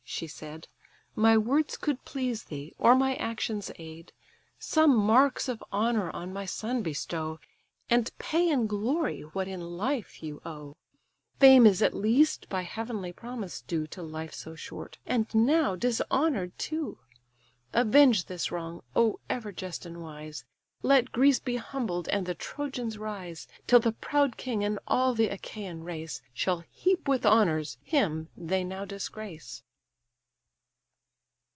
(she said) My words could please thee, or my actions aid, Some marks of honour on my son bestow, And pay in glory what in life you owe. Fame is at least by heavenly promise due To life so short, and now dishonour'd too. Avenge this wrong, O ever just and wise! Let Greece be humbled, and the Trojans rise; Till the proud king and all the Achaian race Shall heap with honours him they now disgrace."